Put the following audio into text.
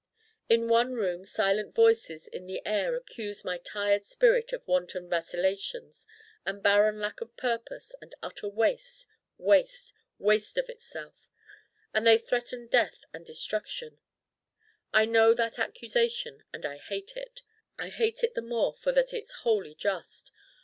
In one Room silent voices in the air accuse my tired Spirit of wanton vacillations and barren lack of purpose and utter waste, waste, waste of itself. And they threaten death and destruction. I know that accusation and I hate it: I hate it the more for that it's wholly just.